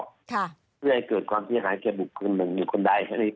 เพื่อให้เกิดความทิ้งหายเกี่ยวกับคุณหนึ่งหรือคนใด